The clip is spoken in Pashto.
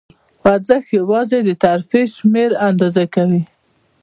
خوځښت یواځې د ترفیع شمېر آندازه کوي.